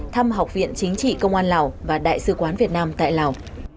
thăm học viện chính trị công an lào và đại sứ quán việt nam tại lào